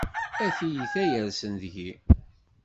A tiyita yersen deg-i!